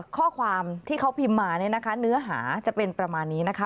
ข้อความที่เขาพิมพ์มาเนี่ยนะคะเนื้อหาจะเป็นประมาณนี้นะคะ